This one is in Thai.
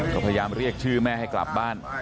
ก็พยายามเรียกชื่อแม่ให้กลับบ้าน